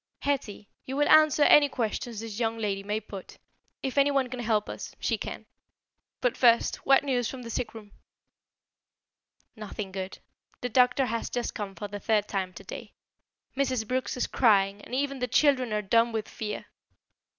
"Hetty, you will answer any questions this young lady may put. If anyone can help us, she can. But first, what news from the sick room?" "Nothing good. The doctor has just come for the third time today. Mrs. Brooks is crying and even the children are dumb with fear."